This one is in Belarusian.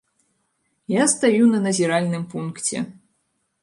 Я стаю на назіральным пункце.